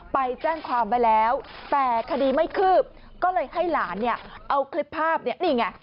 ไปแจ้งความไว้แล้วแต่คดีไม่คืบก็เลยให้หลานเนี่ยเอาคลิปภาพเนี่ยนี่ไง